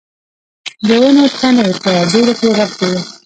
د ونو تنې په دوړو کې غرقي وې.